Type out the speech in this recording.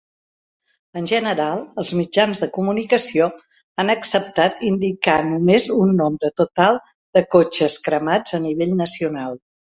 En general, els mitjans de comunicació han acceptat indicar només un nombre total de cotxes cremats a nivell nacional.